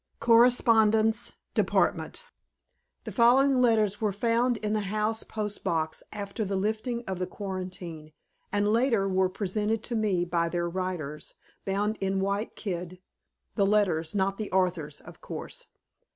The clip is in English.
CORRESPONDENTS' DEPARTMENT The following letters were found in the house post box after the lifting of the quarantine, and later were presented to me by their writers, bound in white kid (the letters, not the authors, of course).